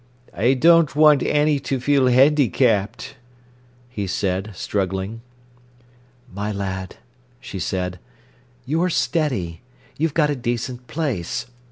"I don't want Annie to feel handicapped," he said, struggling. "My lad," she said, "you're steady—you've got a decent place.